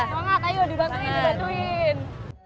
semangat ayo dibantuin dibantuin